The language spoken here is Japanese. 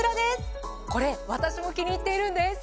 これ私も気に入っているんです。